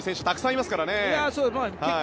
たくさんいますからね。